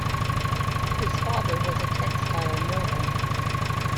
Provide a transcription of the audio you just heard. His father was a textile mill owner.